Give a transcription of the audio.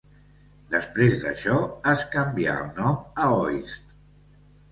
Després d'això, es canvia el nom a Hoist.